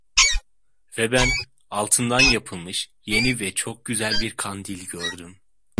Ve ben, altından yapılmış yeni ve çok güzel bir kandil gördüm.